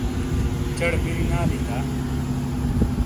چا ڑے بیری نے آلیں دا؟